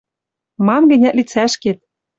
Мам-гӹнят лицӓшкет